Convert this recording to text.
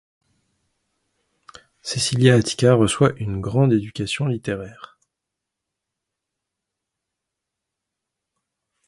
Caecilia Attica reçoit une grande éducation littéraire.